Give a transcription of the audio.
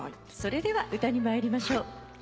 それでは歌に参りましょう。